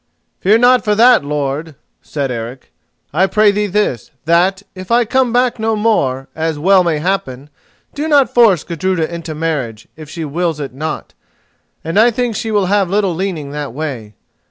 "Fear not for that, lord," said Eric; "and I pray thee this, that, if I come back no more, as well may happen, do not force Gudruda into marriage, if she wills it not, and I think she will have little leaning that way.